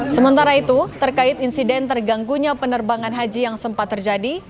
sementara itu terkait insiden terganggunya penerbangan haji yang sempat terjadi